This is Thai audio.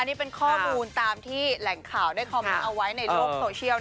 นี่เป็นข้อมูลตามที่แหล่งข่าวได้คอมเมนต์เอาไว้ในโลกโซเชียล